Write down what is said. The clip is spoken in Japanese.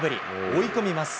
追い込みます。